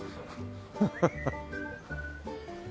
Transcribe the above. ハハハ。